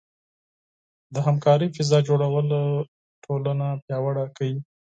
د همکارۍ فضاء جوړول ټولنه پیاوړې کوي.